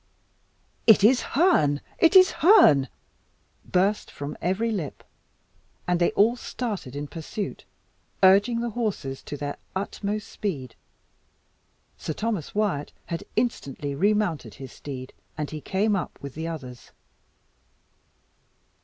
"It is Herne! it is Herne!" burst from every lip. And they all started in pursuit, urging the horses to their utmost speed. Sir Thomas Wyat had instantly remounted his steed, and he came up with the others.